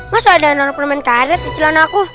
masa ada anak anak permain karet di celana aku